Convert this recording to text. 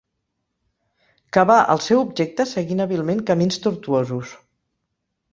Que va al seu objecte seguint hàbilment camins tortuosos.